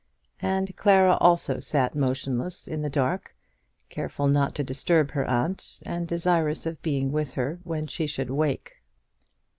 And Clara also sat motionless in the dark, careful not to disturb her aunt, and desirous of being with her when she should awake.